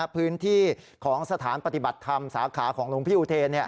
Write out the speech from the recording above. พื้นที่ของสถานปฏิบัติธรรมสาขาของหลวงพี่อุเทน